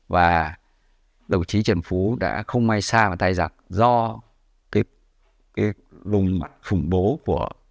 và đồng chí trần phú đã không mai xa vào tai giặc do cái lùng khủng bố của